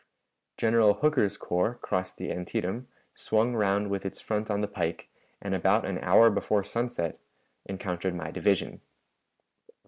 General Hooker's corps crossed the Antietam, swung round with its front on the pike, and about an hour before sunset encountered my division.